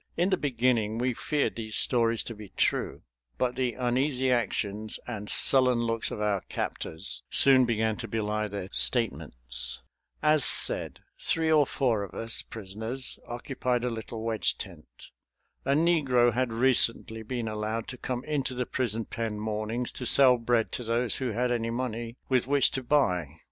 In the beginning we feared these stories to be true, but the uneasy actions and sullen looks of our captors soon began to belie their statements. As said, three or four of us prisoners occupied a little wedge tent. A negro had recently been allowed to come into the prison pen mornings to sell bread to those who had any money with which to buy.